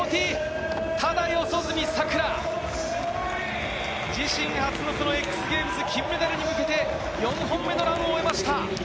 ただ四十住さくら、自身初のＸＧａｍｅｓ金メダルに向けて４本目のランを終えました。